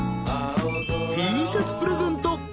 ［Ｔシャツプレゼント